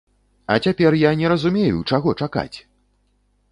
А цяпер я не разумею, чаго чакаць!